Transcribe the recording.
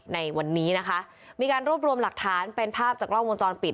ในวันนี้นะคะมีการรวบรวมหลักฐานเป็นภาพจากกล้องวงจรปิด